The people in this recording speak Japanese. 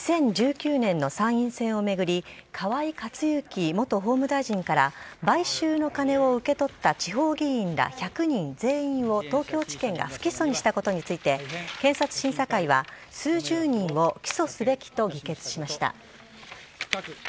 ２０１９年の参院選を巡り河井克行元法務大臣から買収の金を受け取った地方議員ら１００人全員を東京地検が不起訴にしたことについて検察審議会は数十人を起訴すべきと議決しました。